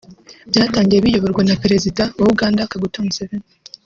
byatangiye biyoborwa na Perezida wa Uganda Kaguta Museveni